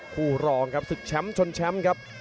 คู่รองครับศึกแชมป์ชนแชมป์ครับ